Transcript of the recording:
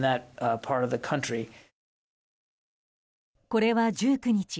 これは１９日